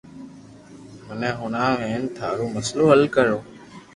مني ھڻاو ھن ٿارو مسلو حل ڪرو